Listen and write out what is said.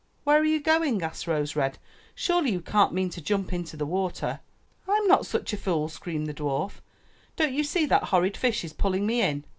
^'Where are you going?" asked Rose red. "Surely you can't mean to jump into the water." 'Tm not such a fool!" screamed the dwarf. '^Don't you see that that horrid fish is pulling me in?"